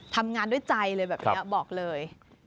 ทำงานด้วยใจเลยแบบนี้บอกเลย